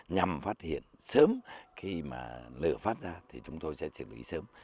nhằm phát hiện sớm khi mà lửa phát ra thì chúng tôi sẽ xử lý sớm